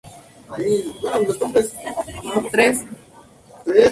Entre los enamorados está Anselmo, que le declara su amor.